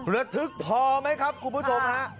ระทึกพอไหมครับคุณผู้ชมฮะ